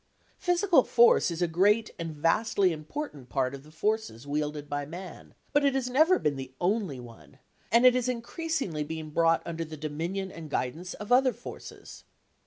Physical force is a great and vastly important part of the forces wielded by man, but it never has been the only one, and it is increasingly being brought under the dominion and guidance of other forces.